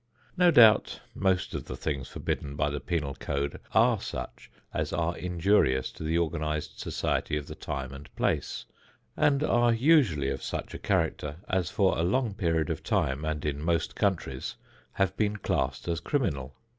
No doubt most of the things forbidden by the penal code are such as are injurious to the organized society of the time and place, and are usually of such a character as for a long period of time, and in most countries, have been classed as criminal.